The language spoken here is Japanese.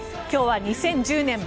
今日は２０１０年